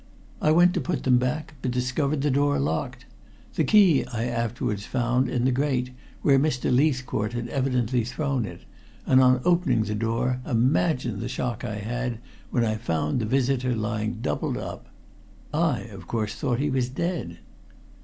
I went to put them back but discovered the door locked. The key I afterwards found in the grate, where Mr. Leithcourt had evidently thrown it, and on opening the door imagine the shock I had when I found the visitor lying doubled up. I, of course, thought he was dead."